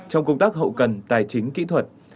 trong công tác hậu cần tài chính kỹ thuật